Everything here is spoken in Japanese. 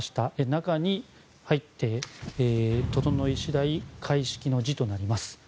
中に入って整い次第開式の辞となります。